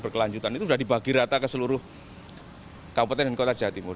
berkelanjutan itu sudah dibagi rata ke seluruh kabupaten dan kota jawa timur